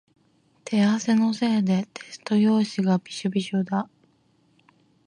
手汗のせいでテスト用紙がびしょびしょだ。